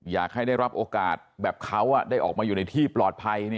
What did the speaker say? อยากให้ได้รับโอกาสแบบเขาได้ออกมาอยู่ในที่ปลอดภัย